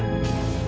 dan itu tidak itu